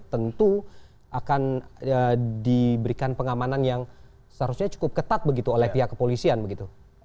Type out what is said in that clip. tentu akan diberikan pengamanan yang seharusnya cukup ketat begitu oleh pihak kepolisian begitu